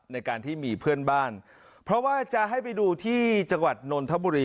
ในการที่มีเพื่อนบ้านเพราะว่าจะให้ไปดูที่จังหวัดนนทบุรี